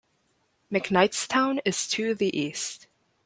McKnightstown is to the east.